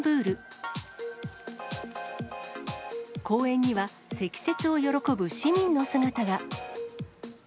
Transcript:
公園には積雪を喜ぶ市民の姿が。